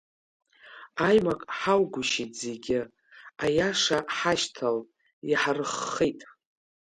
Аимак ҳаугәышьеит зегьы, аиаша ҳашьҭалт, иаҳрыххеит.